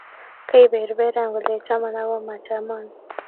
Kaiberberan kole chaman aku machaman